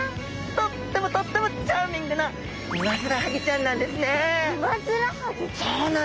とってもとってもチャーミングなウマヅラハギちゃん？